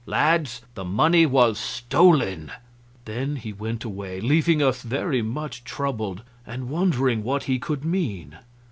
Lads, the money was stolen." Then he went away, leaving us very much troubled, and wondering what he could mean.